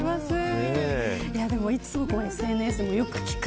いつもＳＮＳでよく聞く